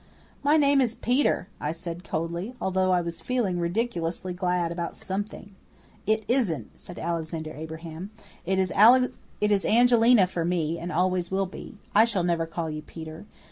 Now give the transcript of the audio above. "My name is Peter," I said coldly, although I was feeling ridiculously glad about something. "It isn't," said Alexander Abraham stubbornly. "It is Angelina for me, and always will be. I shall never call you Peter.